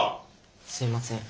すいません。